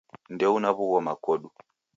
Ndeuna w'ughoma kodu